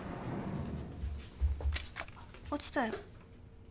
落ちたよ